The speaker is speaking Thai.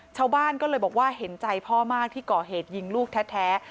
ชาวบ้านก็เลยบอกว่าเห็นใจพ่อมากที่ก่อเหตุยิงลูกแท้